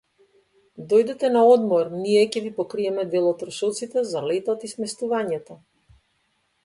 Дојдете на одмор, ние ќе ви покриеме дел од трошоците за летот и сместувањето